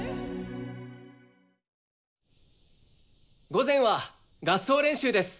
午前は合奏練習です。